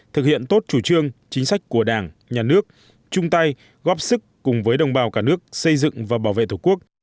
thực hiện tốt chủ trương chính sách của đảng nhà nước chung tay góp sức cùng với đồng bào cả nước xây dựng và bảo vệ thủ quốc